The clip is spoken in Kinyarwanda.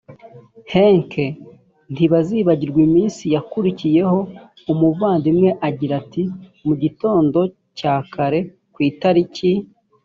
henk ntibazibagirwa iminsi yakurikiyeho umuvandimwe agira ati mu gitondo cya kare ku itariki